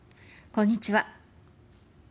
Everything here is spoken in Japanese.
こんにちは。